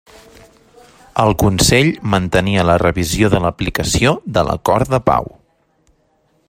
El Consell mantenia la revisió de l'aplicació de l'Acord de pau.